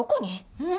うん？